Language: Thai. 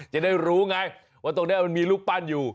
จะได้รู้ไงว่าตรงนี้มันมีรูปปั้นอยู่